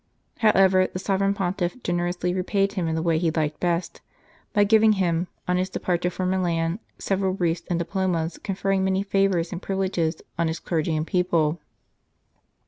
However, the Sovereign Pontiff generously repaid him in the way he liked best, by giving him, on his departure for Milan, several briefs and diplomas conferring many favours and privileges on his clergy and people.